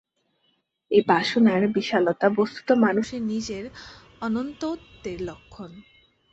এই বাসনার বিশালতা বস্তুত মানুষের নিজের অনন্তত্বের লক্ষণ।